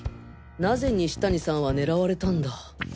なぜ西谷さんは狙われたんだ！？